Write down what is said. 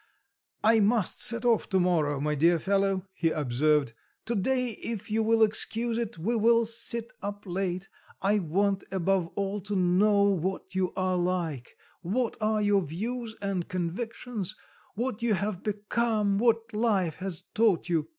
"I must set off to morrow, my dear fellow," he observed; "to day if you will excuse it, we will sit up late. I want above all to know what you are like, what are your views and convictions, what you have become, what life has taught you."